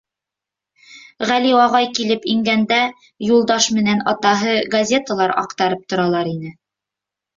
Ғәли ағай килеп ингәндә, Юлдаш менән атаһы газеталар аҡтарып торалар ине.